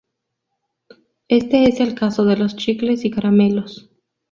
Este es el caso de los chicles y caramelos.